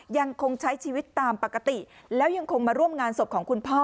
ยังคงใช้ชีวิตตามปกติแล้วยังคงมาร่วมงานศพของคุณพ่อ